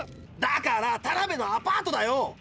だからタナベのアパートだよ。